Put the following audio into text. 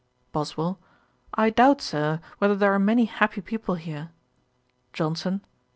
BOSWELL. 'I doubt, Sir, whether there are many happy people here.' JOHNSON.